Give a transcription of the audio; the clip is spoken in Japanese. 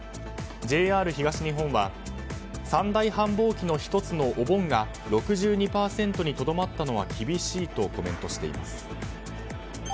ＪＲ東日本は三大繁忙期の１つのお盆が６２％にとどまったのは厳しいとコメントしています。